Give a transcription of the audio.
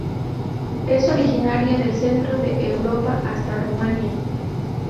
Es originaria del centro de Europa hasta Rumanía.